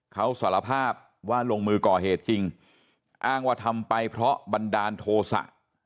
เขาสารภาพว่าลงมือก่อเหตุจริงอ้างว่าทำไปเพราะบันดาลโทษะ